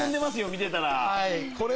見てたら。